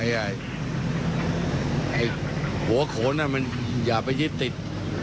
หัวโขนนั่นมันอย่าไปยึดติด